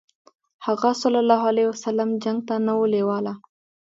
هغه ﷺ جنګ ته نه و لېواله.